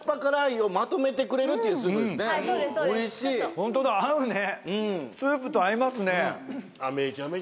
ホントだ合うねあっ